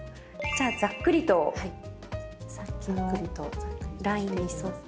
じゃあざっくりとさっきのラインに沿って。